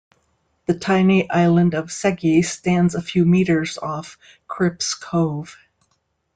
The tiny island of Seghy stands a few metres off Cripp's Cove.